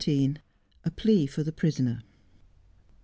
A PLEA FOR THE PRISONER.